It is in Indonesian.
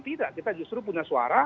tidak kita justru punya suara